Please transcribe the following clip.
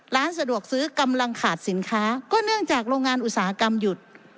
ร้านสะดวกซื้อกำลังขาดสินค้าก็เนื่องจากโรงงานอุตสาหกรรมหยุด